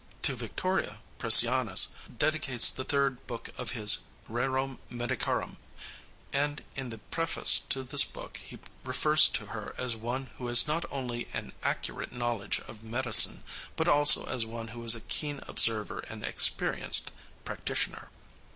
To Victoria, Priscianus dedicates the third book of his Rerum Medicarum, and in the preface to this book he refers to her as one who has not only an accurate knowledge of medicine, but also as one who is a keen observer and experienced practitioner.